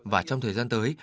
và trong thời gian tới